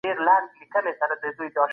ډاکټر مجاور احمد زیار پښتو ته ډېر خدمت کړی.